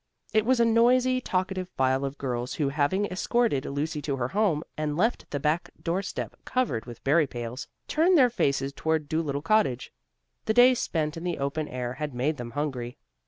It was a noisy, talkative file of girls who having escorted Lucy to her home, and left the back doorstep covered with berry pails, turned their faces toward Dolittle Cottage. The day spent in the open air had made them hungry.